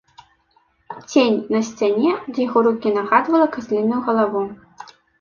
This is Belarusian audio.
Цень на сцяне ад яго рукі нагадваў казліную галаву.